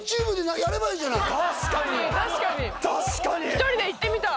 「一人で行ってみた」